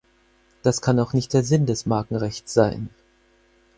Das kann auch nicht Sinn des Markenrechts sein.